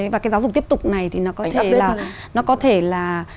và cái giáo dục tiếp tục này thì nó có thể là